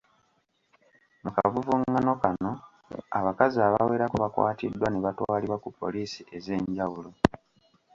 Mukavuvungano kano abakazi abawerako bakwatiddwa ne batwalibwa ku poliisi ez'enjawulo.